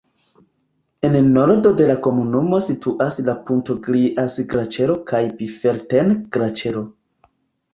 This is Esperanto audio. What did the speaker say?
En nordo de la komunumo situas la Punteglias-Glaĉero kaj Biferten-Glaĉero.